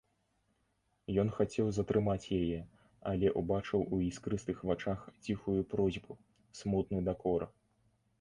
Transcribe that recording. Ён хацеў затрымаць яе, але ўбачыў у іскрыстых вачах ціхую просьбу, смутны дакор.